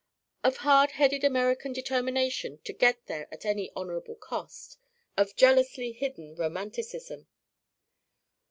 Of hard headed American determination to "get there" at any honourable cost, of jealously hidden romanticism.